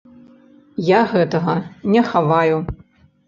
Я гэтага не хаваю.